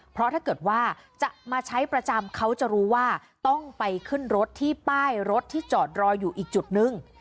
เพราะถ้าเกิดว่าจะมาใช้ประจำเขาจะรู้ว่าต้องไปขึ้นรถที่ป้ายรถที่จอดรออยู่อีกจุดนึง